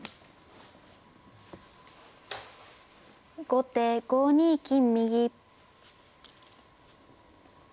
後手５二金右。